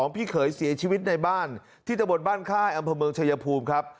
พี่เขยเสียชีวิตในบ้านที่ตะบนบ้านค่ายอำเภอเมืองชายภูมิครับ